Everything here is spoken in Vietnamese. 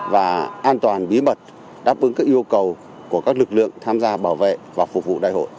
và an toàn bí mật đáp ứng các yêu cầu của các lực lượng tham gia bảo vệ và phục vụ đại hội